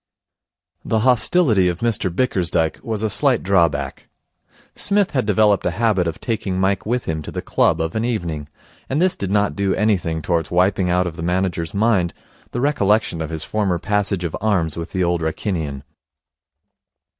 The hostility of Mr Bickersdyke was a slight drawback. Psmith had developed a habit of taking Mike with him to the club of an evening; and this did not do anything towards wiping out of the manager's mind the recollection of his former passage of arms with the Old Wrykinian.